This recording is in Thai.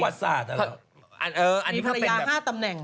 มีภรรยาห้าตำแหน่ง